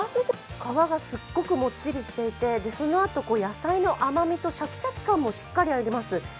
皮がすっごくもっちりしていて、そのあと野菜の甘みとシャキシャキ感もしっかりあります。